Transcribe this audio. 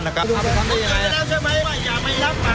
จะจำได้ใช่มั้ย